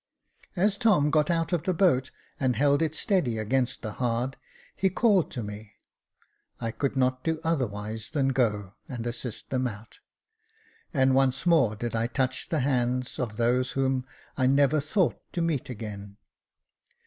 As Tom got out of the boat and held it steady against the hard, he called to mej I could not do otherwise than go and assist them out ; and once more did I touch the hands of those whom I never thought to meet again.